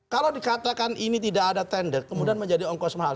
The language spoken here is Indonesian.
kalau dikatakan ini tidak ada tender kemudian menjadi ongkos mahal